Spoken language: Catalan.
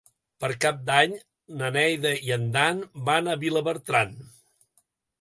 Per Cap d'Any na Neida i en Dan van a Vilabertran.